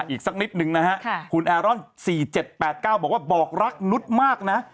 อีกสักนิดนึงนะฮะคุณแอร์รอน๔๗๘๙บอกว่าบอกรักนุษย์มากนะ